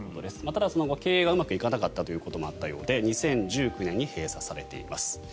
ただ、その後、経営がうまくいかなかったということもあったようで２０１９年に閉鎖されています。